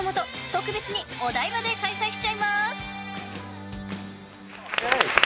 特別に、お台場で開催しちゃいます！